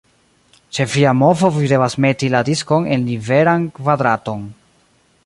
Ĉe via movo vi devas meti la diskon en liberan kvadraton.